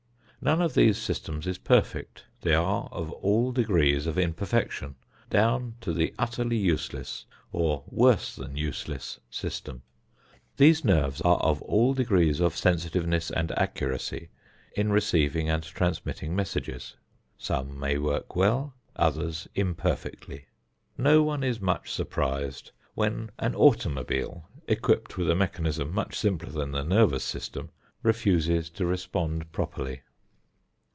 None of these systems is perfect. They are of all degrees of imperfection down to the utterly useless or worse than useless system. These nerves are of all degrees of sensitiveness and accuracy in receiving and transmitting messages. Some may work well, others imperfectly. No one is much surprised when an automobile, equipped with a mechanism much simpler than the nervous system, refuses to respond properly.